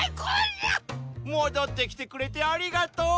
戻ってきてくれてありがとう！